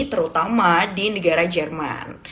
terutama di negara jerman